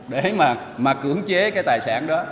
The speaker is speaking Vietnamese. để mà cưỡng chế tài sản đó